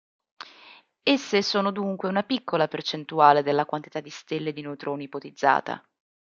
Esse sono dunque una piccola percentuale della quantità di stelle di neutroni ipotizzata.